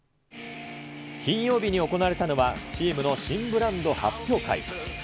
金曜日に行われたのは、チームの新ブランド発表会。